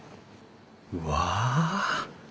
うわ！